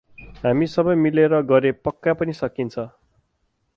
हामी सबै मिलेर गरे पक्का पनि सकिन्छ ।